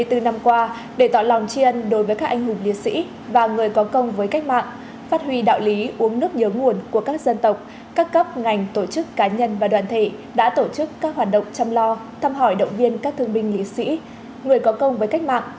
tham hỏi động viên các thương binh liệt sĩ người có công với cách mạng